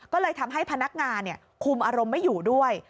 ก็เลยทำให้พนักงานคุมอารมณ์ไม่อยู่ด้วย